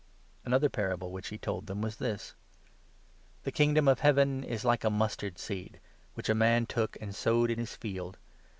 Parable Another parable which he told them was this — 31 or the "The Kingdom of Heaven is like a miisi.ird Mustard seed, seed, which a man took and sowed in his field.